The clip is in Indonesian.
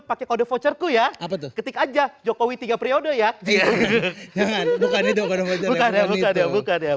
pakai kode voucher ku ya ketik aja jokowi tiga priode ya bukan itu bukan ya bukan ya bukan ya